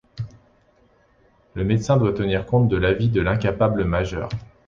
Le médecin doit tenir compte de l'avis de l'incapable majeur.